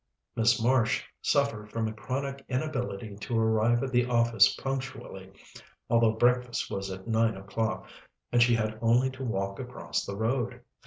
Miss Marsh suffered from a chronic inability to arrive at the office punctually, although breakfast was at nine o'clock, and she had only to walk across the road.